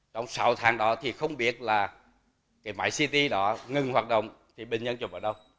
trong sáu tháng đó thì không biết là cái máy ct đó ngừng hoạt động thì bệnh nhân chụp ở đâu